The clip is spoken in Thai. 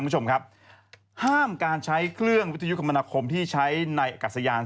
๑ห้ามการใช้เครื่องวิทยุคมนาคมที่ใช้ในอากาศยาน